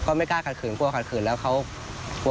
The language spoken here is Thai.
ก็ไม่กล้าขัดขืนเกลียวขัดขืนเกลียวเขานะ